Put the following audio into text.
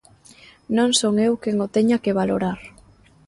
Non son eu quen o teña que valorar.